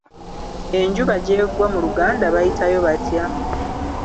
Enjuba gy'egwa mu Luganda bayitayo batya?